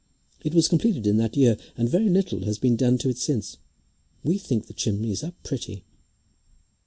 It was completed in that year, and very little has been done to it since. We think the chimneys are pretty."